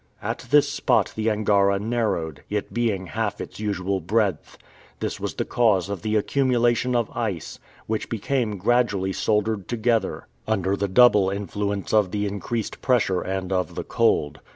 At this spot the Angara narrowed, it being half its usual breadth. This was the cause of the accumulation of ice, which became gradually soldered together, under the double influence of the increased pressure and of the cold.